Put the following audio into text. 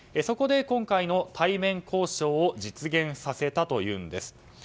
そこで今回の対面交渉を実現させたというんです。